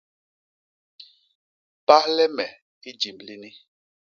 Pahle me i jimb lini.